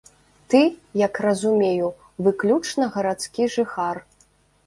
Ты, як разумею, выключна гарадскі жыхар.